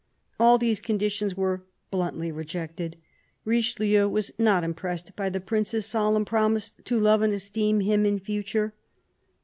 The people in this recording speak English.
All these conditions were bluntly rejected. Richelieu was not impressed by the Prince's solemn promise to love and esteem him in future.